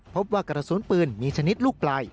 พบว่ากระสุนปืนมีชนิดลูกปลาย